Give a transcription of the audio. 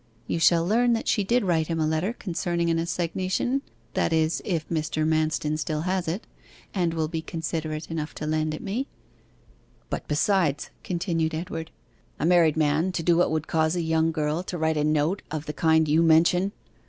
You shall learn that she did write him a letter concerning an assignation that is, if Mr. Manston still has it, and will be considerate enough to lend it me.' 'But besides,' continued Edward, 'a married man to do what would cause a young girl to write a note of the kind you mention!